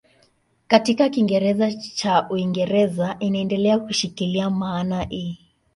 Katika Kiingereza cha Uingereza inaendelea kushikilia maana hii.